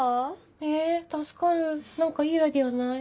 え助かる何かいいアイデアない？